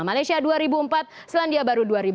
malaysia dua ribu empat selandia baru dua ribu empat